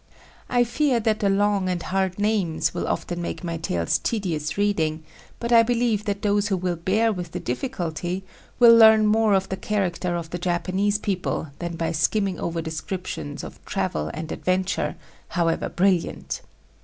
I fear that the long and hard names will often make my tales tedious reading, but I believe that those who will bear with the difficulty will learn more of the character of the Japanese people than by skimming over descriptions of travel and adventure, however brilliant.